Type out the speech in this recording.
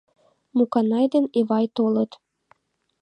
Муканай ден Эвай толыт.